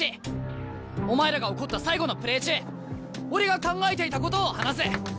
お前らが怒った最後のプレー中俺が考えていたことを話す。